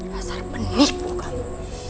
rasar penipu kamu